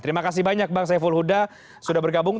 terima kasih banyak bang saiful huda sudah bergabung